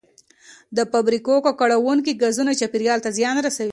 د فابریکو ککړونکي ګازونه چاپیریال ته زیان رسوي.